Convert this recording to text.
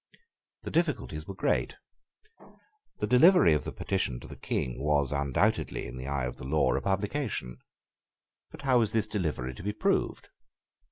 The difficulties were great. The delivery of the petition to the King was undoubtedly, in the eye of the law, a publication. But how was this delivery to be proved?